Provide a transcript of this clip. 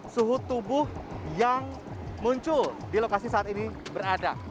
suhu tubuh yang muncul di lokasi saat ini berada